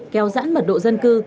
kéo rãn mật độ dân cư